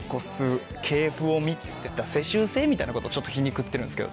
世襲制みたいなことをちょっと皮肉ってるんですけど。